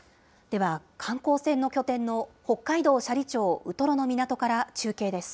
では、観光船の拠点の北海道斜里町ウトロの港から中継です。